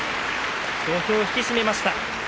土俵を引き締めました。